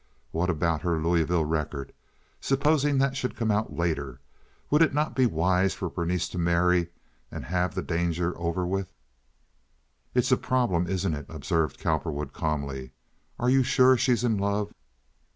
What about her Louisville record? Supposing that should come out later? Would it not be wise for Berenice to marry, and have the danger over with? "It is a problem, isn't it?" observed Cowperwood, calmly. "Are you sure she's in love?"